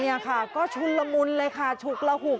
นี่ค่ะก็ชุนละมุนเลยค่ะฉุกระหุก